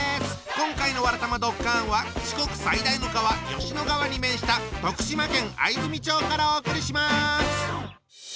今回の「わらたまドッカン」は四国最大の川吉野川に面した徳島県藍住町からお送りします！